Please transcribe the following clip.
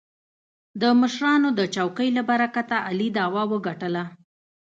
د مشرانو د چوکې له برکته علي دعوه وګټله.